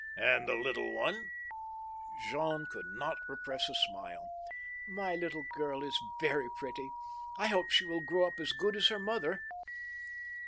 " And the little one ?" Jean could not repress a smile. " My little girl is very pretty. I hope she will grow up as good as her mother."